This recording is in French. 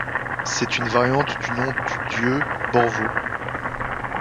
C'est une variante du nom du Dieu Borvo.